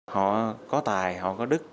họ có tài họ có đức